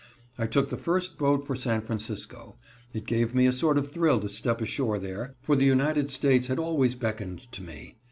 I took the first boat for San Francisco. It gave me a sort of thrill to step ashore there, for the United States had always beckoned to me.